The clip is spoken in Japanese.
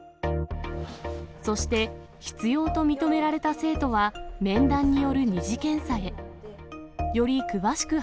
そして、必要と認められた生徒は、面談による２次検査へ。